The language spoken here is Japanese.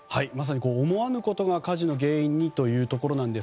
思わぬことが火事の原因にというところです。